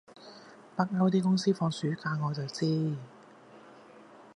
北歐啲公司會放暑假我就知